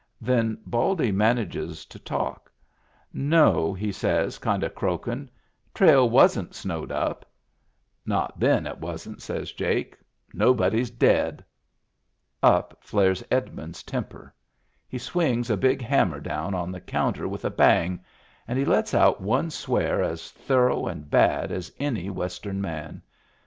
Then Baldy manages to talk. " No," he says kind of croakin' ;" trail wasn't snowed up." Digitized by Google 266 MEMBERS OF THE FAMILY " Not then, it wasn't," says Jake. " Nobody's dead." Up flares Edmund's temper. He swings a big hammer down on the counter with a bang, and he lets out one swear as thorough and bad as any Western man.